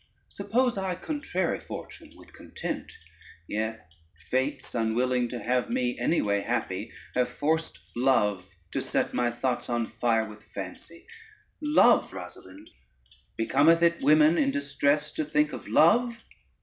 Suppose I contrary fortune with content, yet fates unwilling to have me anyway happy, have forced love to set my thoughts on fire with fancy. Love, Rosalynde? becometh it women in distress to think of love?